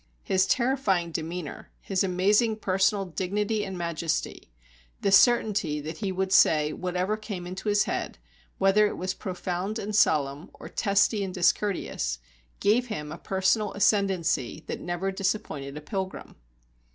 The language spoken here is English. His terrifying demeanour, his amazing personal dignity and majesty, the certainty that he would say whatever came into his head, whether it was profound and solemn, or testy and discourteous, gave him a personal ascendancy that never disappointed a pilgrim.